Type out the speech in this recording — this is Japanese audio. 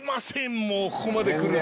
もうここまでくると。